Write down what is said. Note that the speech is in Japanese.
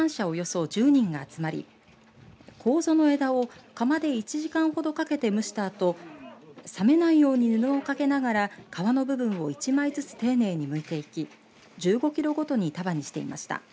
およそ１０人が集まりこうぞの枝を釜で１時間ほどかけて蒸したあと冷めないように布をかけながら皮の部分を１枚ずつ丁寧にむいていき１５キロごとに束にしていきました。